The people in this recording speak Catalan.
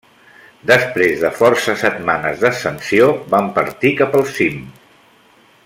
Després de força setmanes d'ascensió van partir cap al cim.